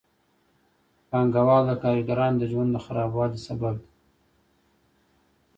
پانګوال د کارګرانو د ژوند د خرابوالي سبب دي